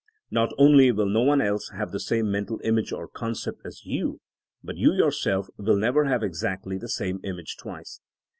Not only wUl no one else have the same mental image or concept as you hut you yourself will never have exactly the same image twice.